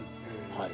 はい。